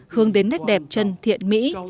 hướng đến nét đẹp chân thiện mỹ